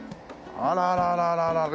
あららららら。